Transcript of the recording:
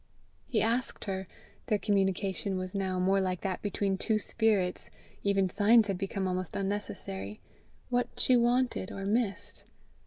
He asked her their communication was now more like that between two spirits: even signs had become almost unnecessary what she wanted or missed.